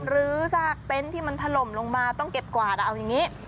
ซากเต็นต์ที่มันถล่มลงมาต้องเก็บกวาดเอาอย่างนี้